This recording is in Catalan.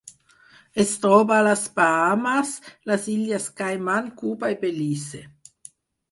Es troba a les Bahames, les Illes Caiman, Cuba i Belize.